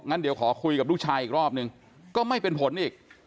งั้นเดี๋ยวขอคุยกับลูกชายอีกรอบนึงก็ไม่เป็นผลอีก